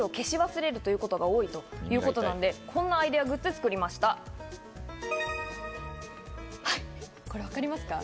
夫の浩之さんが電気を消し忘れることが多いということなので、こんなアイデアグッズを作りました。